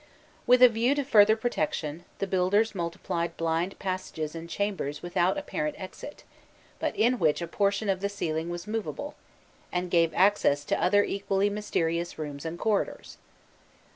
With a view to further protection, the builders multiplied blind passages and chambers without apparent exit, but in which a portion of the ceiling was movable, and gave access to other equally mysterious rooms and corridors.